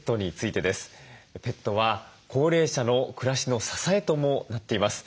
ペットは高齢者の暮らしの支えともなっています。